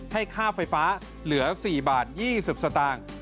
ค่าไฟฟ้าเหลือ๔บาท๒๐สตางค์